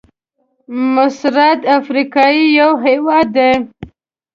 مصرد افریقا یو هېواد دی.